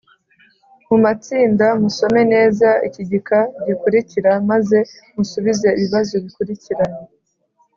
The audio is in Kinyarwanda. mu matsinda musome neza iki gika gikurikira maze musubize ibibazo bikurikira: